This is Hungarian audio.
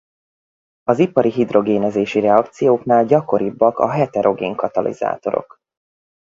Az ipari hidrogénezési reakcióknál gyakoribbak a heterogén katalizátorok.